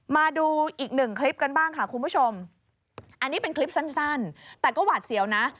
มาดูอีกหนึ่งคลิปกันบ้างค่ะคุณผู้ชมอันนี้เป็นคลิปสั้นแต่ก็หวาดเสียวนะ